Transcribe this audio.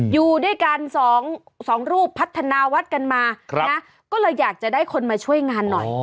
อยู่ด้วยกันสองรูปพัฒนาวัดกันมานะก็เลยอยากจะได้คนมาช่วยงานหน่อย